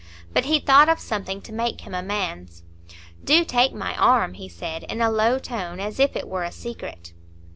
But he thought of something to make him amends. "Do take my arm," he said, in a low tone, as if it were a secret.